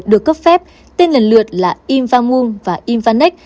được cấp phép tên lần lượt là imvamun và invanex